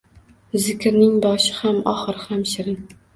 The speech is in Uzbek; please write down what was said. Zikrning boshi ham, oxiri ham shirin.